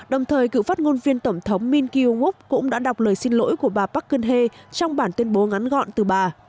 đồng thời cựu phát ngôn viên tổng thống min kyu wook cũng đã đọc lời xin lỗi của bà park geun hye trong bản tuyên bố ngắn gọn từ bà